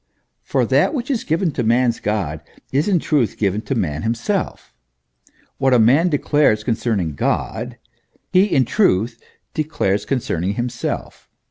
* For that which is given to man's God, is in truth given to man himself; what a man declares con cerning God, he in truth declares concerning himself.